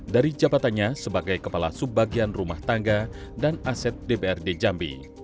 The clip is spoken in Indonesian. dari jabatannya sebagai kepala subbagian rumah tangga dan aset dprd jambi